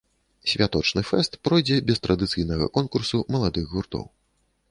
Святочны фэст пройдзе без традыцыйнага конкурсу маладых гуртоў.